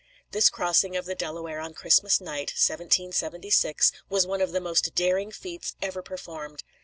This crossing of the Delaware on Christmas night (1776) was one of the most daring feats ever performed.